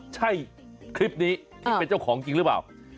ใช่คลิปนี้ที่เป็นเจ้าของจริงหรือเปล่า